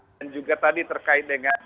dan juga tadi terkait dengan